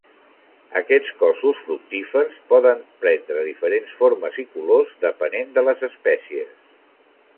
Aquests cossos fructífers poden prendre diferents formes i colors depenent de les espècies.